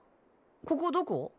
ここどこ？